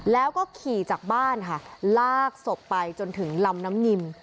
แล้วก็ขี่จากบ้านค่ะลากศพไปจนถึงลำน้ำงิม